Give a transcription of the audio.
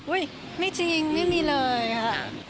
ไม่จริงไม่มีเลยค่ะ